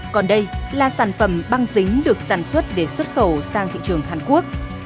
còn đây là sản phẩm băng dính được sản xuất để xuất khẩu sang thị trường hàn quốc